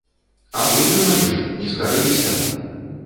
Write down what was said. А вытрымалі ж, не скарыліся!